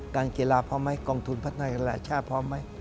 กางเกียราศพร้อมไหมกองทุนภัทรนาแก่ล่าชาติพร้อมไหม